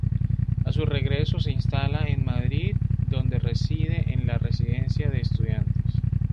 A su regreso, se instala en Madrid donde reside en la Residencia de Estudiantes.